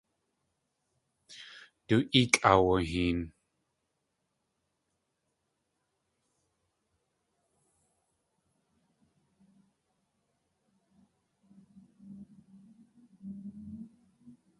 Du éekʼ aawaheen.